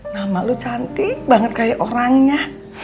nama lo cantik banget kayak orangnya